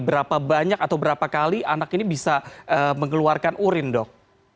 berapa banyak atau berapa kali anak ini bisa mengeluarkan urin dok